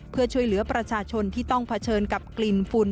เพื่อช่วยเหลือประชาชนที่ต้องเผชิญกับกลิ่นฝุ่น